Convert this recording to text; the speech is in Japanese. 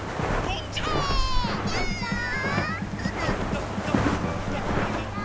どんどどん。